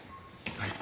はい。